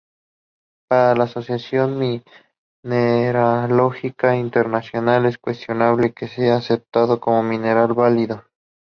Para la Asociación Mineralógica Internacional es cuestionable que sea aceptado como mineral válido.